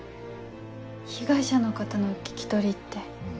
被害者の方の聞き取りって。